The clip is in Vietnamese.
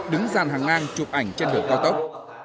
đứng gian hàng ngang chụp ảnh trên đường cao tốc